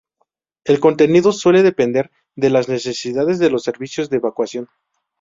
El contenido suele depender de las necesidades de los servicios de evacuación.